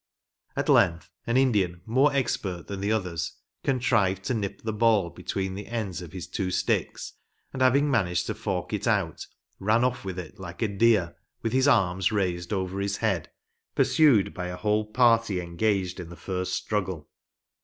At length, an Indian, more expert than the others, contrived to nip the ball between the ends of his two sticks, and having managed to fork it out, ran off with it like a deer, with his arms raised over his head, pursued by a whole party engaged in the first struggle.